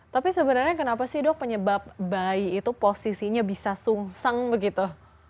tapi sebenarnya kenapa sih dok penyebab bayi itu posisinya bisa sungseng begitu